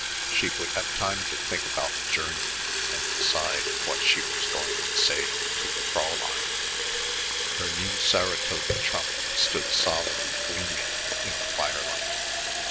She would have time to think about the journey and decide what she was going to say to the Fräulein. Her new Saratoga trunk stood solid and gleaming in the firelight.